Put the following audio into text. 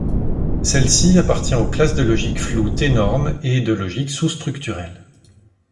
Celle-ci appartient aux classes de logique floue t-norme et de logiques sous structurelles.